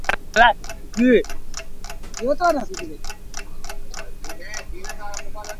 پوهآريٚ ائيٚݩ زميݩدآر ٻئي ڀيڙآ ويه هسآب ڪتآب ڪريݩ دآ